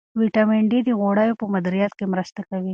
ویټامین ډي د غوړو په مدیریت کې مرسته کوي.